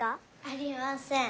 ありません。